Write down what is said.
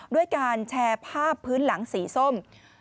ด้วยการแชร์ภาพพื้นหลังสีส้ม